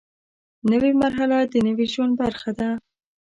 نوې مرحله د نوي ژوند برخه ده